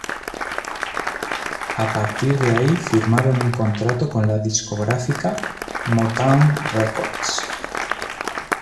A partir de ahí firmaron un contrato con la discográfica Motown Records.